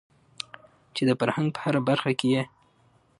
چې د فرهنګ په هره برخه کې يې